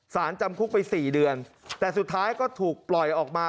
สารจำคุกไป๔เดือนแต่สุดท้ายก็ถูกปล่อยออกมา